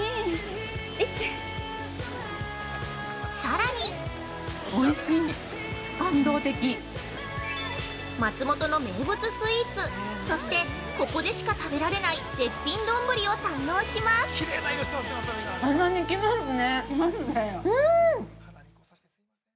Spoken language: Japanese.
さらに松本の名物スイーツそして、ここでしか食べられない絶品どんぶりを堪能します！